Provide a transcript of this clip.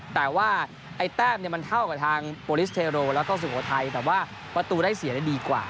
แต่ว่าไอ้แต้มเนี่ยมันเท่ากับทางโปรลิสเทโรแล้วก็สุโขทัยแต่ว่าประตูได้เสียดีกว่า